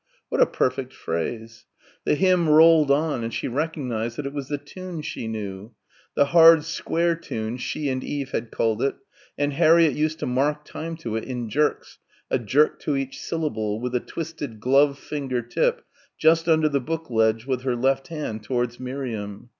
What a perfect phrase.... The hymn rolled on and she recognised that it was the tune she knew the hard square tune she and Eve had called it and Harriett used to mark time to it in jerks, a jerk to each syllable, with a twisted glove finger tip just under the book ledge with her left hand, towards Miriam.